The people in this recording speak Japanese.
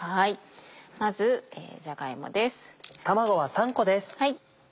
まずじゃが芋です。